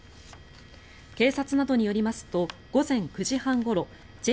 警察などによりますと午前９時半ごろ